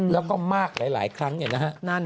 แล้วก็มากหลายครั้งเนี่ยนะฮะ